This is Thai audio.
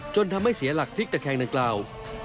จนทำให้เสียหลักทิ้งแต่แค่งนั่งกล่าว